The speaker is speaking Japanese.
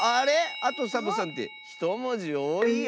「あとサボさん」って１もじおおいよ。